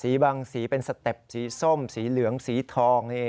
บางสีเป็นสเต็ปสีส้มสีเหลืองสีทอง